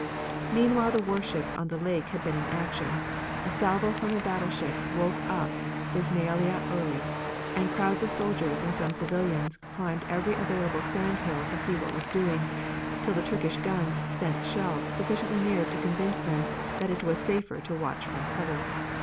Meanwhile the warships on the lake had been in action, a salvo from a battleship woke up Ismailia early, and crowds of soldiers and some civilians climbed every available sand hill to see what was doing, till the Turkish guns sent shells sufficiently near to convince them that it was safer to watch from cover.